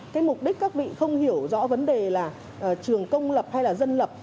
cái mục đích các vị không hiểu rõ vấn đề là trường công lập hay là dân lập